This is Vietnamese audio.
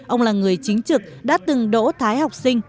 ông là người chính trực đã từng đỗ thái học sinh